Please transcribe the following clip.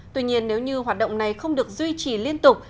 tuy nhiên nếu như hoạt động này không được duy trì liên tục